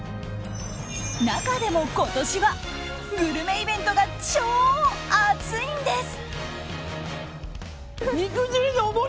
中でも、今年はグルメイベントが超熱いんです！